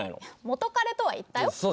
元カレとは言ったよ。